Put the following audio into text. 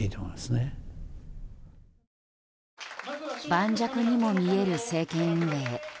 盤石にも見える政権運営。